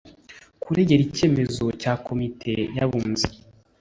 Kuregera icyemezo cya Komite y Abunzi